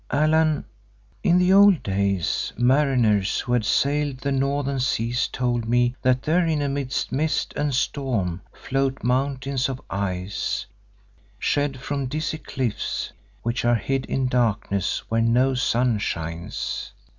"Allan, in the old days, mariners who had sailed the northern seas, told me that therein amidst mist and storm float mountains of ice, shed from dizzy cliffs which are hid in darkness where no sun shines.